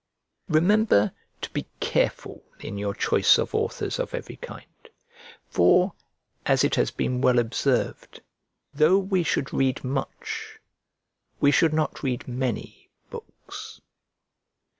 Remember to be careful in your choice of authors of every kind: for, as it has been well observed, "though we should read much, we should not read many books."